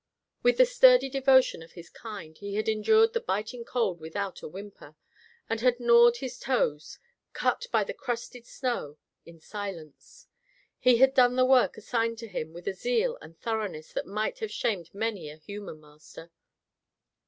With the sturdy devotion of his kind, he had endured the biting cold without a whimper, and had gnawed his toes, cut by the crusted snow, in silence. He had done the work assigned to him with a zeal and thoroughness that might have shamed many a human master.